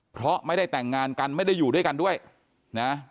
เพราะไม่ได้แต่งงานกันไม่ได้อยู่ด้วยกันด้วยนะ